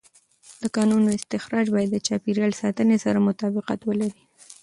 د کانونو استخراج باید د چاپېر یال ساتنې سره مطابقت ولري.